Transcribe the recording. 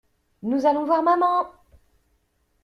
Nous allons voir Maman!